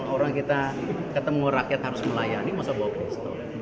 orang kita ketemu rakyat harus melayani masa bawa pistol